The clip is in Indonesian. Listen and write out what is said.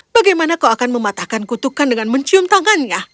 bagaimana kau akan mematahkan kutukan dengan mencium tangannya